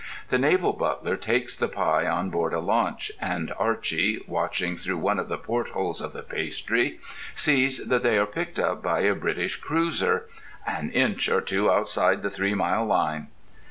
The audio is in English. The naval butler takes the pie on board a launch, and Archy, watching through one of the portholes of the pastry, sees that they are picked up by a British cruiser "an inch or two outside the three mile line."